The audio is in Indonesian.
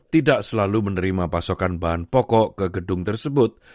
tidak selalu menerima pasokan bahan pokok ke gedung tersebut